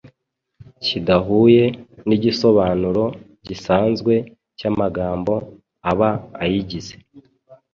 kidahuye n’igisobanuro gisanzwe cy’amagambo aba ayigize.